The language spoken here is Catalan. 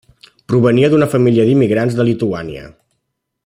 Provenia d'una família d'immigrants de Lituània.